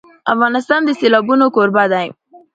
افغانستان د سیلابونه کوربه دی.